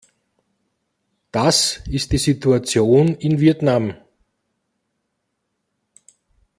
Das ist die Situation in Vietnam.